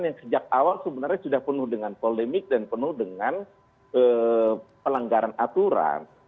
yang sejak awal sebenarnya sudah penuh dengan polemik dan penuh dengan pelanggaran aturan